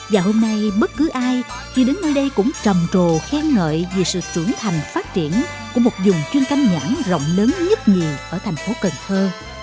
và hôm nay bất cứ ai khi đến nơi đây cũng trầm trồ khen ngợi vì sự trưởng thành phát triển của một dùng chuyên canh nhãn rộng lớn nhất nhì ở thành phố cần thơ